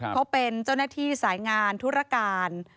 เขาเป็นเจ้าหน้าที่สายงานธุรการ